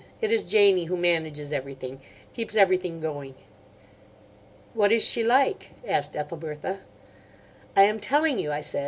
It is Janie who manages everything—keeps everything going." "What is she like?" asked Ethelbertha. "I am telling you," I said.